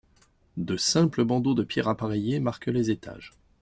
De simples bandeaux de pierres appareillées marquent les étages.